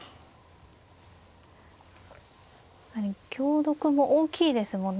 香得も大きいですもんね。